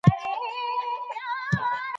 کليسا د فکري ژوند مرکز و.